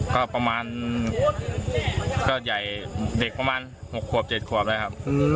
ก็ประมาณเด็กประมาณ๖๗ขวบนะครับ